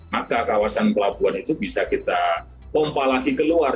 maka kawasan pelabuhan itu bisa kita pompa lagi keluar